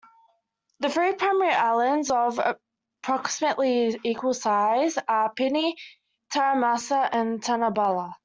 The three primary islands, of approximately equal size, are Pini, Tanahmasa, and Tanahbala.